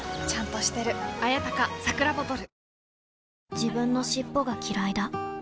自分の尻尾がきらいだ